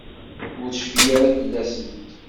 Ur tecfi ara fell-asent.